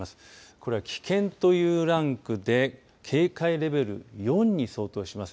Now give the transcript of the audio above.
これは危険というランクで警戒レベル４に相当します。